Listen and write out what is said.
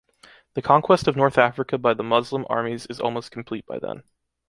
The conquest of North Africa by the Muslim armies is almost complete by then.